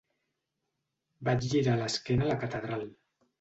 Vaig girar l'esquena a la catedral